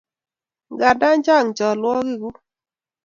Nganda chang' chalwogiguk